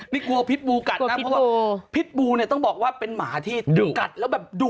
นี่กลัวพิษบูกัดนะเพราะว่าพิษบูเนี่ยต้องบอกว่าเป็นหมาที่ดุกัดแล้วแบบดุ